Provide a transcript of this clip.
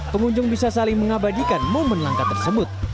pengunjung bisa saling mengabadikan momen langkah tersebut